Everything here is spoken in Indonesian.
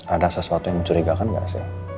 ada sesuatu yang mencurigakan gak sih